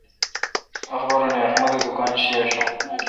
اخبارونے احمد اے° دکان شی آشوں۔